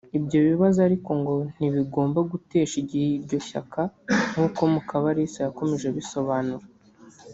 Ibyo bibazo ariko ngo ntibigomba no gutesha igihe iryo shyaka nkuko Mukabalisa yakomeje abisobanura